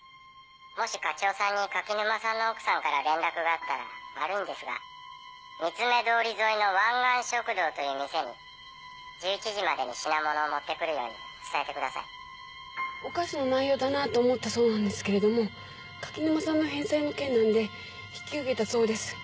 垣沼さんの奥さんから連絡があったら悪いんですが三ツ目通り沿いの湾岸食堂という店に１１時までに品物を持ってくるように伝えてくださいおかしな内容だなと思ったそうなんですけど垣沼さんの返済の件なので引き受けたそうです。